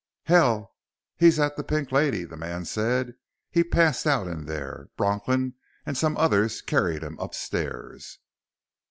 "Hell, he's at the Pink Lady," the man said. "He passed out in there. Bronklin and some others carried him upstairs."